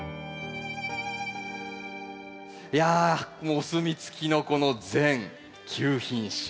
いやもうお墨付きのこの全９品種。